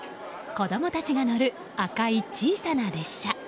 子供たちが乗る赤い小さな列車。